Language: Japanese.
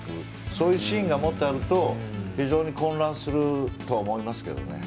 そういうシーンがもっとあると非常に混乱すると思いますけどね。